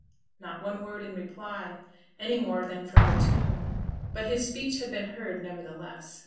Not one word in reply, any more than from the tomb; but his speech had been heard nevertheless.